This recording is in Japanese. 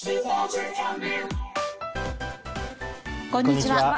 こんにちは。